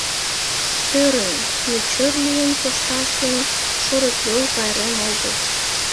Ӧрын: мӧчӧр лийын кошташ гын, шорыкйол пайрем огыл.